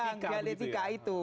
penyeimbang dialetika itu